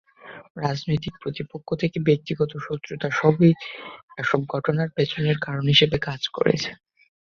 রাজনৈতিক প্রতিপক্ষ থেকে ব্যক্তিগত শত্রুতা—সবই এসব ঘটনার পেছনের কারণ হিসেবে কাজ করেছে।